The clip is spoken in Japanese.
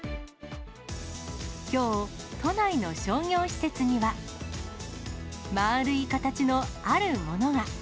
きょう、都内の商業施設には、丸い形のあるものが。